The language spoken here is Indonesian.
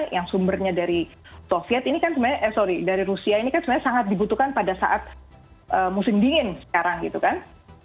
yang sumbernya dari rusia ini kan sebenarnya sangat dibutuhkan pada saat musim dingin sekarang gitu kan